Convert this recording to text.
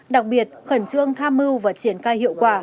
đặc biệt khẩn trương tham mưu và triển khai hiệu quả